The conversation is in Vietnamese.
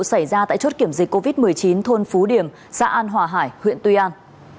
xảy ra tại chốt kiểm dịch covid một mươi chín thôn phú điểm xã an hòa hải huyện tuy an